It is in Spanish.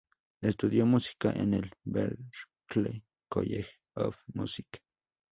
Estudió música en el Berklee College of Music.